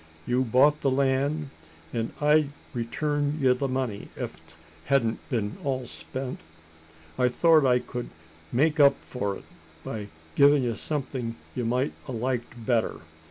You bought the land, an' I'd return ye the money, ef 't hedn't been all spent. I thort I kud a made up for it, by gieing ye somethin' ye mout a liked better.